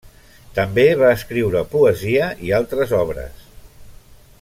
També va escriure poesia i altres obres.